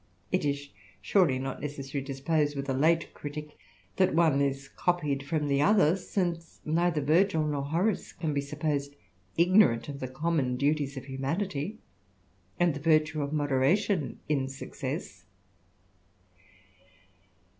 it is surely not necessary to suppose with a late critick, ths^^^^^^ one is copied from the other, since neither Virgil nor Horac^^^ can be supposed ignorant of the common duties of humanit and the virtue of moderation in success.